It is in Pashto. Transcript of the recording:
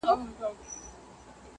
نه په کوډګرو نه په مُلا سي.!